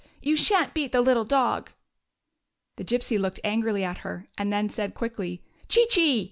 You sha'n't beat the little dog !" The Gypsy looked angrily at her, and then said, quickly: " Chee, chee!